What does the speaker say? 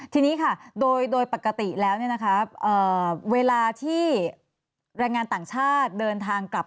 ทีนี้ค่ะโดยปกติแล้วเวลาที่แรงงานต่างชาติเดินทางกลับ